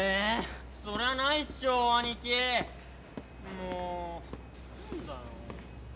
もう何だよ。